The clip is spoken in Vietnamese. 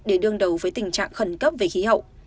để đương đầu với tình trạng khẩn cấp về khí hậu